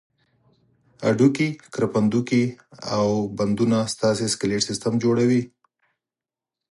هډوکي، کرپندوکي او بندونه ستاسې سکلېټ سیستم جوړوي.